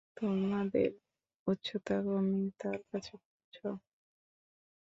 তোমাদের উচ্চতা কমিয়ে তার কাছে পৌছাও।